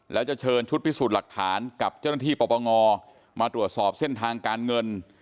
แล้วจะเชิญชุดพิสูจน์หลักฐานกับเจ้าหน้าที่ปปงมาตรวจสอบเส้นทางการเงิน